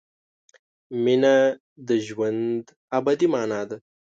مینه د ژوند ابدي مانا ده.